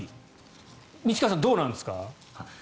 西川さんどうなんですか？